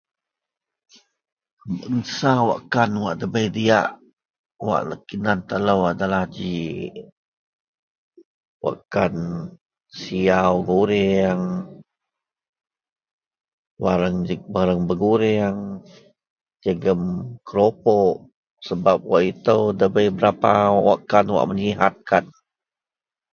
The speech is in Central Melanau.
biasa wakkan wak debei diak wak kinan telou adalah ji wakkan siaw gurieng, barang bergurieng jegum keropok sebab wak itou dabei berapa wakkan wak meyihatkan